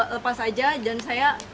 lepas saja dan saya